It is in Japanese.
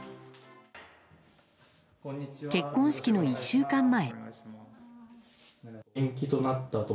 結婚式の１週間前。